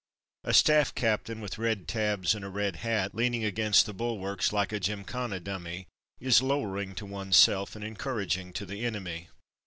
A staff captain with red tabs, and a red hat, leaning against the bulwarks like a gymkhana dummy, is lowering to oneself and encouraging to the enemy.